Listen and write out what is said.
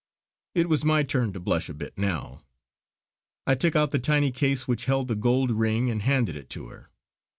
It was my turn to blush a bit now. I took out the tiny case which held the gold ring and handed it to her.